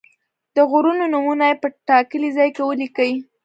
د غرونو نومونه یې په ټاکلي ځای کې ولیکئ.